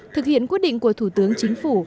thực hiện quyết định của thủ tướng chính phủ